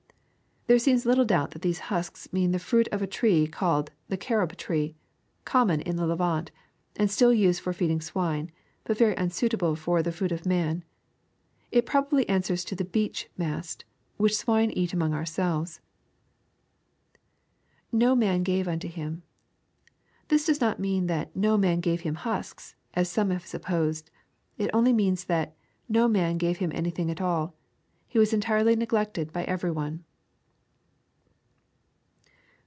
] There seems little doubt that these husks mean the fruit of a tree called the carob tree, common in the Levant, and still used for feeding swine, but very unsuitable for the food of man It probably answers to the beech mast, which swine eat anions; ourselves. [No man gave unto him^ This does not mean that " no man gave him husks," as some have supposed. It only means, that '* No man gave him anything at all ;— ^he was entirely neglected by everv one."